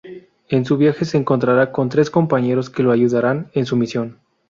En su viaje se encontrará con tres compañeros que lo ayudarán en su misión.